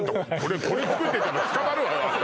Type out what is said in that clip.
これ作ってたら捕まるわよあんた